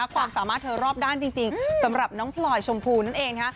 ความสามารถเธอรอบด้านจริงสำหรับน้องพลอยชมพูนั่นเองนะคะ